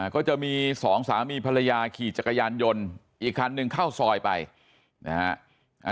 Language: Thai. ก็จะมีสองสามีภรรยาขี่จักรยานยนต์อีกคันหนึ่งเข้าซอยไปนะฮะ